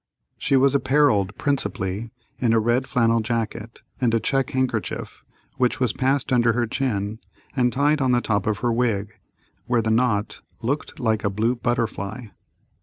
She was apparelled, principally, in a red flannel jacket, and a check handkerchief, which was passed under her chin and tied on the top of her wig, where the knot looked like a blue butterfly.